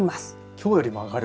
きょうよりも上がる。